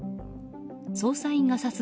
捜査員が指す